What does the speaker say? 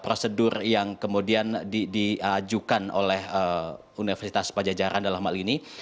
prosedur yang kemudian diajukan oleh universitas pajajaran dalam hal ini